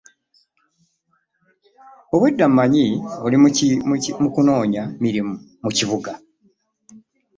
Obwedda mmanyi oli mu kunoonya mirimu mu kibuga.